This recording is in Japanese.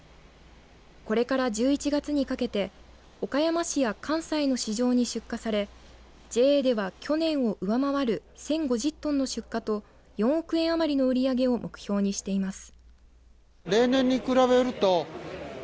これから１１月にかけて岡山市や関西の市場に出荷されＪＡでは、去年を上回る１０５０トンの出荷と４億円余りの売り上げを目標にしています。